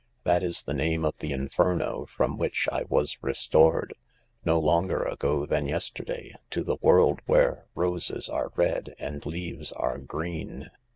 " "That is the name of the Inferno from which I was restored, no longer ago than yesterday, to the world where roses are red and leaves are green.